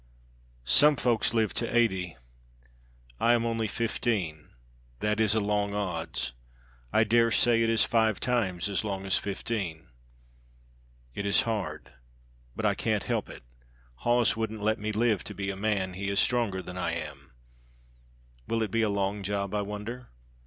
"Some folk live to eighty; I am only fifteen; that is a long odds, I dare say it is five times as long as fifteen. It is hard but I can't help it. Hawes wouldn't let me live to be a man; he is stronger than I am. Will it be a long job, I wonder.